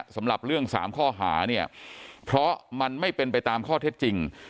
สำหรับเรื่อง๓ข้อหาเนี่ยเพราะมันไม่เป็นไปตามข้อเท็จจริง